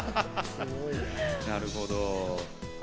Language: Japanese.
なるほど。